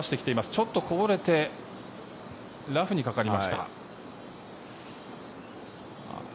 ちょっとこぼれてラフにかかりました。